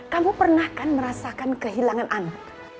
kamu pernah kan merasakan kehilangan anak